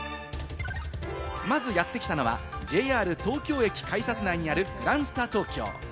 まずやってきたのは、ＪＲ東京駅の改札内にあるグランスタ東京。